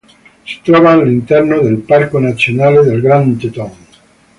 Si trova all'interno del Parco nazionale del Grand Teton.